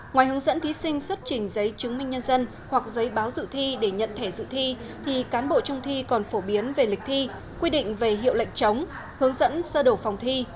ngoài hướng dẫn thí sinh xuất trình giấy chứng minh nhân dân hoặc giấy báo dự thi để nhận thẻ dự thi thì cán bộ trung thi còn phổ biến về lịch thi quy định về hiệu lệnh chống hướng dẫn sơ đổ phòng thi